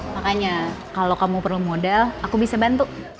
makanya kalau kamu perlu modal aku bisa bantu